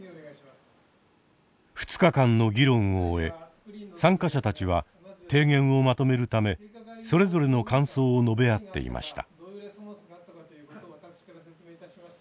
２日間の議論を終え参加者たちは提言をまとめるためそれぞれの感想を述べ合っていました。